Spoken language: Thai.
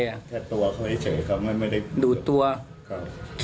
แค่ตัวเขาเฉยเขาไม่ได้ดูดตัวครับ